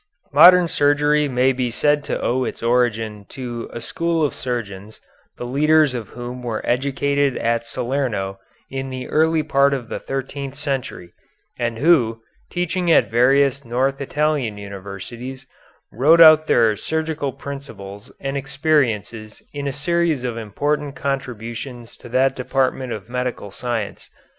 Modern surgery may be said to owe its origin to a school of surgeons, the leaders of whom were educated at Salerno in the early part of the thirteenth century, and who, teaching at various north Italian universities, wrote out their surgical principles and experiences in a series of important contributions to that department of medical science.